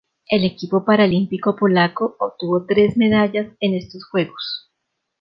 El equipo paralímpico polaco obtuvo tres medallas en estos Juegos.